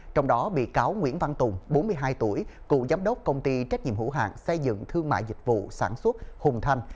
trong đó bị cáo nguyễn văn tùng bốn mươi hai tuổi cựu giám đốc công ty trách nhiệm hữu hạng xây dựng thương mại dịch vụ sản xuất hùng thanh